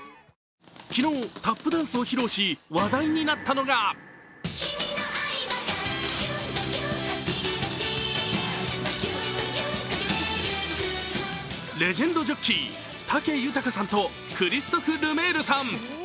昨日、タップダンスを披露し話題になったのがレジェンドジョッキー・武豊さんとクリストフ・ルメールさん。